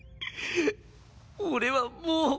俺はもう。